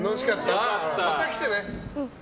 また来てね。